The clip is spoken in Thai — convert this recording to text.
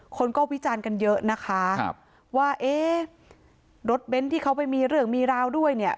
คนก็วิจารณ์กันเยอะนะคะว่าเอ๊ะรถเบ้นที่เขาไปมีเรื่องมีราวด้วยเนี่ย